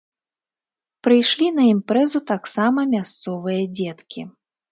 Прыйшлі на імпрэзу таксама мясцовыя дзеткі.